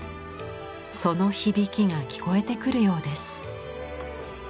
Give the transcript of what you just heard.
その響きが聞こえてくるようです。